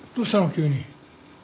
急に。